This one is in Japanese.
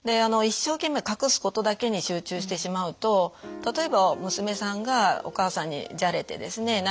一生懸命隠すことだけに集中してしまうと例えば娘さんがお母さんにじゃれてですね